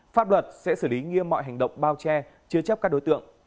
pháp luật sẽ xử lý nghiêm mọi hành động bao che chứa chấp các đối tượng